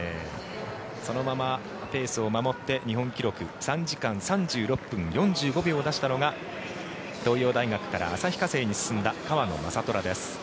そのままペースを守って日本記録３時間３６分４５秒を出したのが東洋大学から旭化成に進んだ川野将虎です。